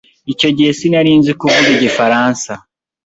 Icyo gihe sinari nzi kuvuga igifaransa.